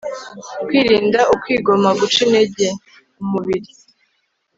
Kwirinda Ukwigomwa Guca Intege Umubiri